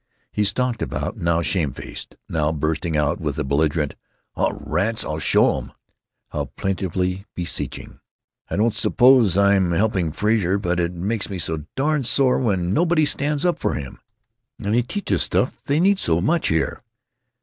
He stalked about, now shamefaced, now bursting out with a belligerent, "Aw, rats! I'll show 'em!" now plaintively beseeching, "I don't suppose I am helping Frazer, but it makes me so darn sore when nobody stands up for him—and he teaches stuff they need so much here.